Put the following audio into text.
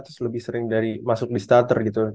terus lebih sering dari masuk di starter gitu